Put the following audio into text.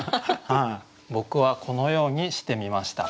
僕はこのようにしてみました。